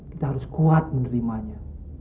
kita harus kuat menerimanya